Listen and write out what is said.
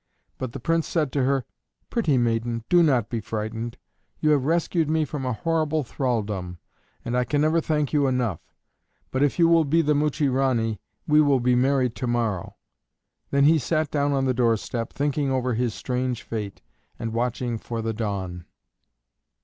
But the Prince said to her: "Pretty maiden, do not be frightened. You have rescued me from a horrible thraldom, and I can never thank you enough; but if you will be the Muchie Ranee, we will be married to morrow." Then he sat down on the doorstep, thinking over his strange fate and watching for the dawn.